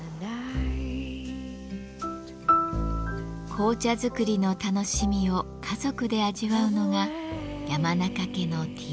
紅茶作りの楽しみを家族で味わうのが山中家のティータイムです。